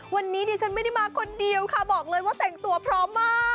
วันนี้ดิฉันไม่ได้มาคนเดียวค่ะบอกเลยว่าแต่งตัวพร้อมมาก